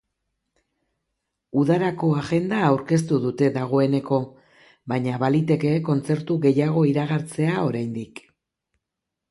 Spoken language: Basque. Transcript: Udarako agenda aurkeztu dute dagoeneko, baina baliteke kontzertu gehiago iragartzea oraindik.